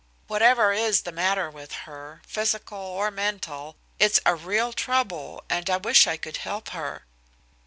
Whatever is the matter with her, physical or mental, it's a real trouble, and I wish I could help her."